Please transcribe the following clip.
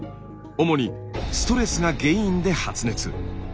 主にストレスが原因で発熱。